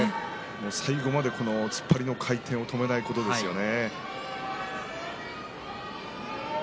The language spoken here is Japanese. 最後まで突っ張りの回転を止めないことですよね。